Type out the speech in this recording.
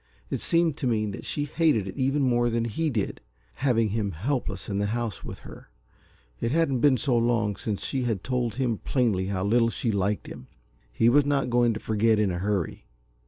It seemed to mean that she hated it even more than he did, having him helpless in the house with her. It hadn't been so long since she had told him plainly how little she liked him. He was not going to forget, in a hurry!